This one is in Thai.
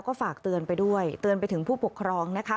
ก็ฝากเตือนไปด้วยเตือนไปถึงผู้ปกครองนะคะ